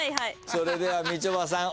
それではみちょぱさん